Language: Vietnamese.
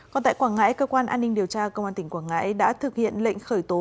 còn tại quảng ngãi cơ quan an ninh điều tra công an tỉnh quảng ngãi đã thực hiện lệnh khởi tố